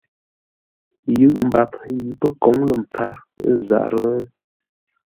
Yʉʼ mbap yi pə́ kǒŋ lə̂ mpfár ə̂ zarə́?